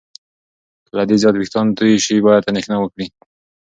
که له دې زیات وېښتان تویې شي، باید اندېښنه وکړې.